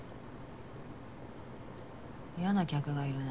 嫌な客がいるな。